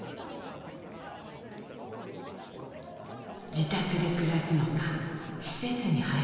自宅で暮らすのか施設に入るのか。